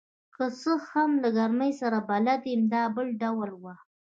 که څه هم له ګرمۍ سره بلد یم، دا بل ډول وه.